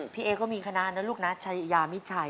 พี่เอ๊ก็มีคณะนะลูกนะชัยยามิดชัย